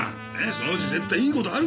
そのうち絶対いい事あるから！